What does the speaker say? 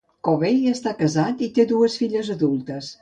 Covey està casat i té dues fills adultes.